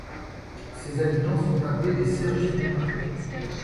Ses habitants sont appelés les Cergy-Pontains.